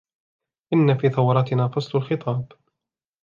ان في ثورتنا فصل الخطاب